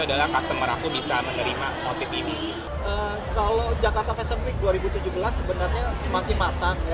adalah customer aku bisa menerima motif ini kalau jakarta fashion week dua ribu tujuh belas sebenarnya semakin matang